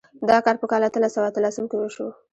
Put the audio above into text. دا کار په کال اتلس سوه اتلسم کې وشو.